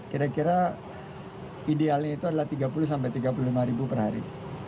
kira kira idealnya itu adalah tiga puluh sampai tiga puluh lima ribu per hari